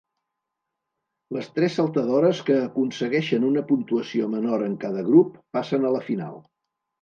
Les tres saltadores que aconsegueixen una puntuació menor en cada grup passen a la final.